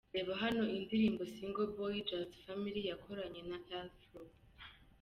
Reba hano indirimbo ‘Single Boy’ Just Family yakoranye na R Flow.